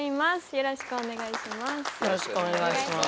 よろしくお願いします。